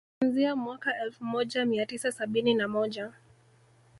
Kuanzia mwaka elfu moja mia tisa sabini na moja